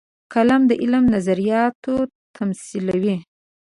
قلم د علمي نظریاتو تمثیلوي